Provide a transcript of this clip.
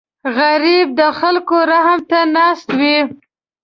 غریب د خلکو رحم ته ناست وي